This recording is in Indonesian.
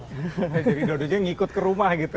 jadi dodonya ngikut ke rumah gitu ya